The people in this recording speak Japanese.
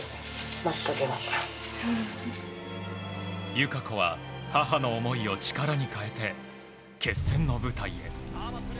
友香子は母の思いを力に変えて決戦の舞台へ。